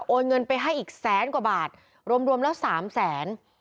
เงินไปให้อีกแสนกว่าบาทรวมแล้วสามแสน